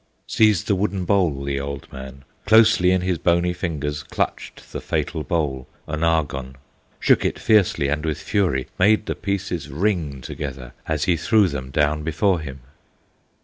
Seized the wooden bowl the old man, Closely in his bony fingers Clutched the fatal bowl, Onagon, Shook it fiercely and with fury, Made the pieces ring together As he threw them down before him.